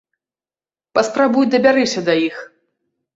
Паспрабуй дабярыся да іх.